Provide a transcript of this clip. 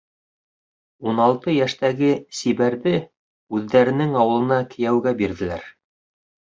Ун алты йәштәге Сибәрҙе үҙҙәренең ауылына кейәүгә бирҙеләр.